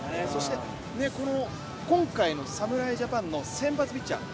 今回の侍ジャパンの先発ピッチャー